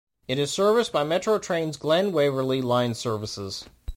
It is serviced by Metro Trains' Glen Waverley line services.